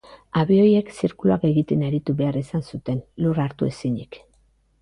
Abioiek zirkuluak egiten aritu behar izan zuten lur hartu ezinik.